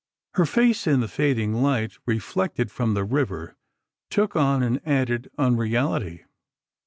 Her face, in the fading light, reflected from the river, took on an added unreality.